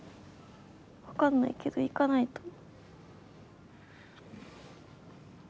分かんないけど行かないと。